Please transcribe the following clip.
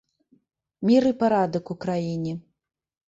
Мір і парадак у краіне.